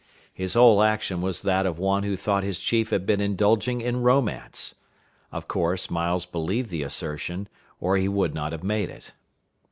His whole action was that of one who thought his chief had been indulging in romance. Of course Miles believed the assertion, or he would not have made it.